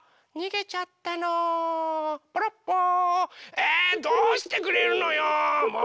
えどうしてくれるのよもう！